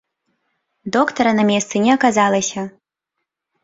Доктара на месцы не аказалася.